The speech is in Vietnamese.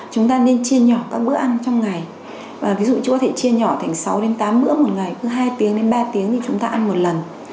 chúng ta nên chia nhỏ các bữa ăn trong ngày ví dụ như có thể chia nhỏ thành sáu tám bữa một ngày cứ hai ba tiếng thì chúng ta ăn một lần